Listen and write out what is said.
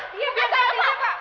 bukan saya pak